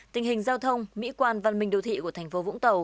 tình hình giao thông mỹ quan văn minh đô thị của tp vũng tàu